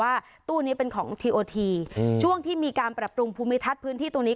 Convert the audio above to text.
ว่าตู้นี้เป็นของทีโอทีช่วงที่มีการปรับปรุงภูมิทัศน์พื้นที่ตรงนี้